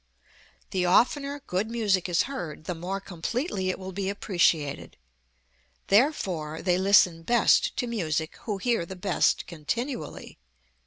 The oftener good music is heard the more completely it will be appreciated. Therefore, they listen best to music who hear the best continually.